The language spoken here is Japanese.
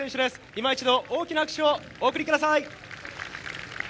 いま一度大きな拍手をお送りください！